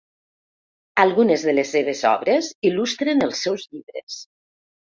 Algunes de les seves obres il·lustren els seus llibres.